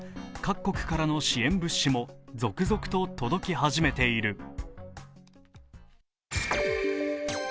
各国からの支援物資も続々と届き始めている。